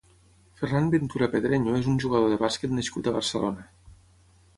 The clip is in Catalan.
Ferrán Ventura Pedreño és un jugador de bàsquet nascut a Barcelona.